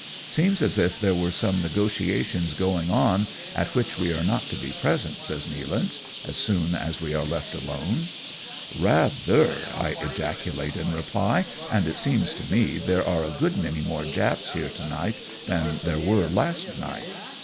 Seems as if there were some negotiations going on at which we are not to be present," says Nealance, as soon as we are left alone. " Eather !" I ejaculate in reply ;" and it seems to me there are a good many more Japs here to night than there were last night."